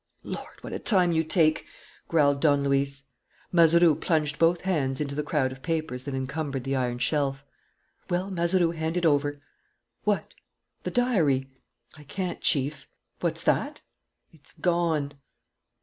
"Lord, what a time you take!" growled Don Luis. Mazeroux plunged both hands into the crowd of papers that encumbered the iron shelf. "Well, Mazeroux, hand it over." "What?" "The diary." "I can't Chief." "What's that?" "It's gone."